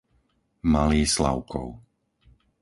Malý Slavkov